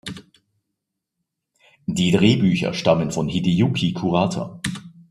Die Drehbücher stammen von Hideyuki Kurata.